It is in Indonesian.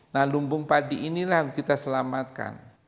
nah lumbung padi inilah yang kita selamatkan